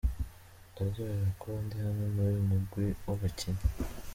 "Ndaryohewe kuba ndi hano n'uyu mugwi w'abakinyi.